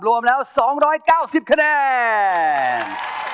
รวมแล้วสองร้อยเก้าสิบคะแนน